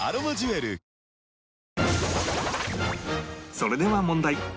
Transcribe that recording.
それでは問題